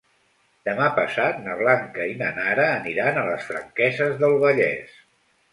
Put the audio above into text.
Demà passat na Blanca i na Nara aniran a les Franqueses del Vallès.